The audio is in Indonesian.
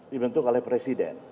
dibentuk oleh presiden